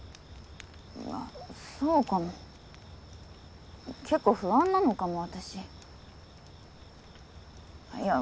うわそうかも結構不安なのかも私あっいや